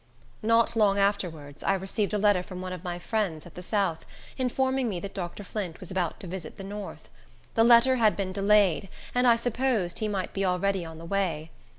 Not long afterwards I received a letter from one of my friends at the south, informing me that Dr. Flint was about to visit the north. The letter had been delayed, and I supposed he might be already on the way.